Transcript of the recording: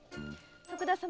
徳田様